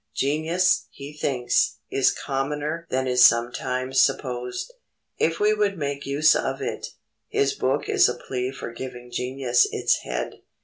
Genius, he thinks, is commoner than is sometimes supposed, if we would make use of it. His book is a plea for giving genius its head.